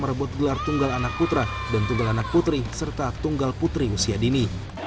merebut gelar tunggal anak putra dan tunggal anak putri serta tunggal putri usia dini